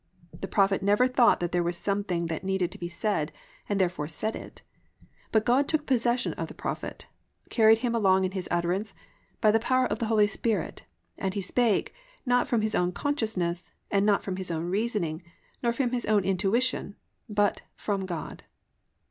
The Prophet never thought that there was something that needed to be said and therefore said it, but God took possession of the prophet, carried him along in his utterance, by the power of the Holy Spirit, and he spake, not from his own consciousness, and not from his own reasoning, nor from his own intuition, but "from God."